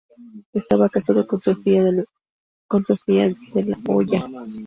Estaba casado con Sofía de la Hoya.